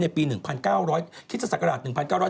ในปี๑๙๐๐ทฤษศักราช๑๙๗๕